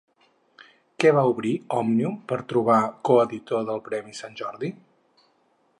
Què va obrir Òmnium per trobar coeditor del Premi Sant Jordi?